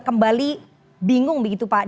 kembali bingung begitu pak